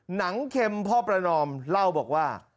หนังเข็มพ่อประนอมเล่าบอกว่า